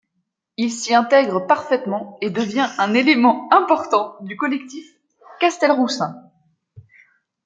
Il s'y intègre parfaitement et devient un élément important du collectif castelroussin.